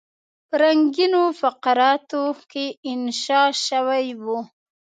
په رنګینو فقراتو کې انشا شوی وو.